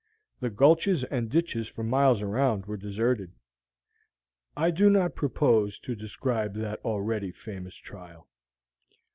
The gulches and ditches for miles around were deserted. I do not propose to describe that already famous trial.